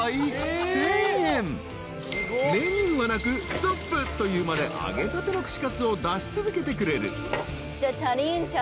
［メニューはなくストップと言うまで揚げたての串カツを出し続けてくれる］